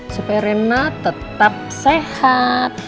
supaya rena tetap sehat